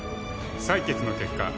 採決の結果